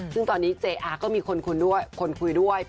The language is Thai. ซึ่งตอนนี้เจ๊อาร์ก็มีคนคุยด้วย